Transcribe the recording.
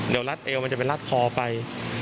เดี๋ยวรัดเอวมันจะไปรัดคอไป